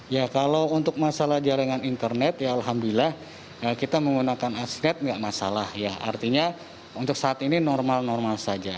ya kalau untuk masalah jaringan internet ya alhamdulillah kita menggunakan asnet nggak masalah ya artinya untuk saat ini normal normal saja